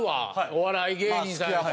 お笑い芸人さんやし。